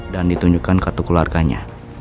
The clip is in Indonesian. dan ditunjukkan kartu keluarganya